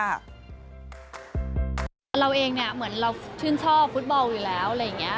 เราเองเนี่ยเหมือนเราชื่นชอบฟุตบอลอยู่แล้วอะไรอย่างนี้